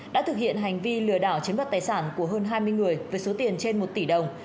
đã thực hiện hành vi lừa đảo chiếm đoạt tài sản của hơn hai mươi người với số tiền trên một tỷ đồng